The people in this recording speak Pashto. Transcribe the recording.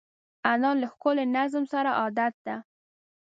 انا له ښکلي نظم سره عادت ده